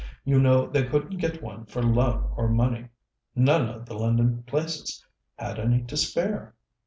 You know, they couldn't get one for love or money; none of the London places had any to spare."